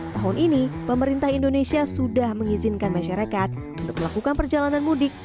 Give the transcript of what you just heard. tahun ini pemerintah indonesia sudah mengizinkan masyarakat untuk melakukan perjalanan mudik